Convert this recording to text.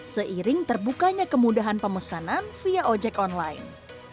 seiring terbukanya kemudahan pemesanan via ojek online